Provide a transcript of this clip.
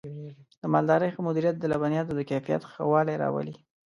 د مالدارۍ ښه مدیریت د لبنیاتو د کیفیت ښه والی راولي.